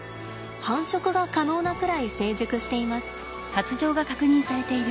繁殖が可能なくらい成熟しています。